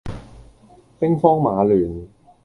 兵荒馬亂